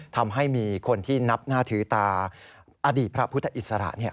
ทำให้มีคนที่นับหน้าถือตาอดีตพระพุทธอิสระ